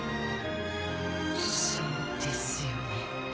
そうですよね。